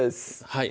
はい